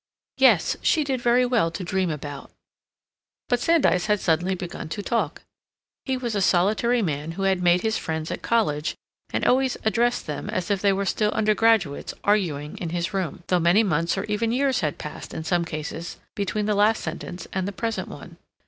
Yes, she did very well to dream about—but Sandys had suddenly begun to talk. He was a solitary man who had made his friends at college and always addressed them as if they were still undergraduates arguing in his room, though many months or even years had passed in some cases between the last sentence and the present one.